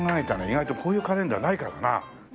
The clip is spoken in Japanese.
意外とこういうカレンダーないからな。